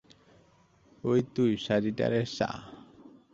ও তুই সাজিটারেসা!